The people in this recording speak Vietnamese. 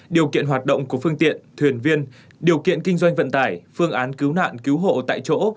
điều kiện hoạt động của phương tiện thuyền viên điều kiện kinh doanh vận tải phương án cứu nạn cứu hộ tại chỗ